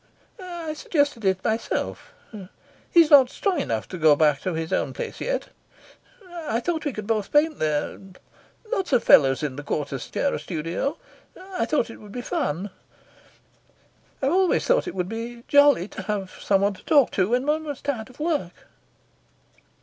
"I suggested it myself. He's not strong enough to go back to his own place yet. I thought we could both paint there. Lots of fellows in the Quarter share a studio. I thought it would be fun. I've always thought it would be jolly to have someone to talk to when one was tired of work."